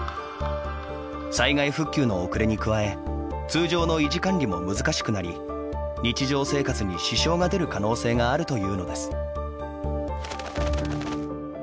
災害復旧の遅れに加え通常の維持管理も難しくなり日常生活に支障が出る可能性があるというのです。